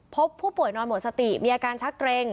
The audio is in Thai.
พบผู้ป่วยนอนหมดสติมีอาการชักเกร็ง